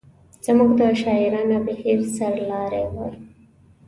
زموږ د شاعرانه بهیر سر لاری و.